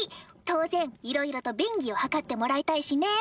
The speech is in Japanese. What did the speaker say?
当然いろいろと便宜を図ってもらいたいしね。